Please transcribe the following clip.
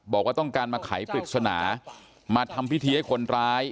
บอกว่าต้องการมาไขปริศนามาทำพิธีให้คนร้าย